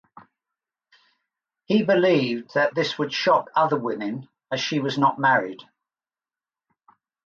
He believed that this would shock other women as she was not married.